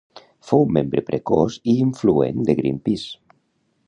Fou membre precoç i influent de Greenpeace.